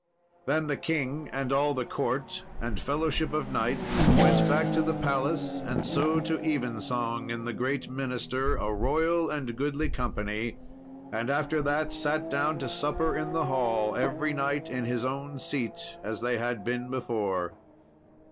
Then the king and all the court and fellowship of knights went back to the palace, and so to evensong in the great minster, a royal and goodly company, and after that sat down to supper in the hall, every knight in his own seat, as they had been before.